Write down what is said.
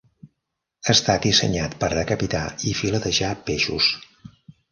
Està dissenyat per decapitar i filetejar peixos.